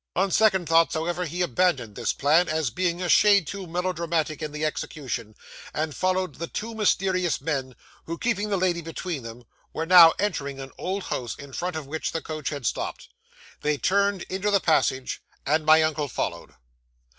On second thoughts, however, he abandoned this plan, as being a shade too melodramatic in the execution, and followed the two mysterious men, who, keeping the lady between them, were now entering an old house in front of which the coach had stopped. They turned into the passage, and my uncle followed.